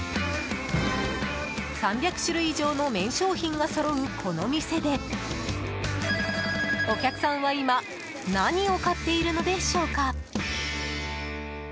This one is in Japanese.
３００種類以上の麺商品がそろうこの店でお客さんは今何を買っているのでしょうか。